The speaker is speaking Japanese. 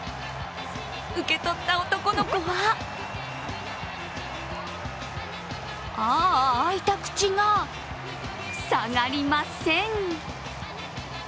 受け取った男の子は、ああ、開いた口が塞がりません。